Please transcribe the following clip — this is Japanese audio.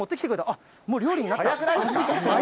あっ、もう料理になった？